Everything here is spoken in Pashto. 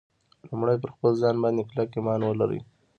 لومړی پر خپل ځان باندې کلک ایمان ولرئ